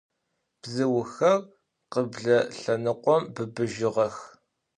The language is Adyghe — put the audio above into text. Bzıuxer khıble lhenıkhom bıbıjığex.